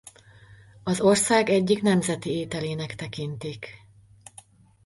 Az ország egyik nemzeti ételének tekintik.